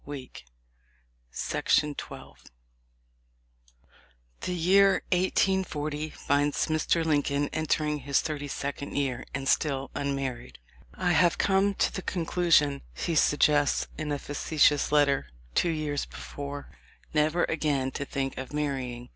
The Publishers. 3^ HUG 12'?/ CHAPTER IX. The year 1840 finds Mr. Lincoln entering his thirty second year and still unmarried. "I have come to the conclusion," he suggests in a facetious letter, two years before, "never again to think of marrying."